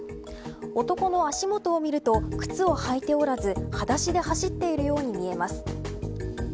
男の足元を見ると靴を履いておらずはだしで走っているように見えます。